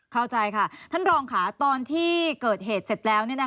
เข้าใจค่ะท่านรองค่ะตอนที่เกิดเหตุเสร็จแล้ว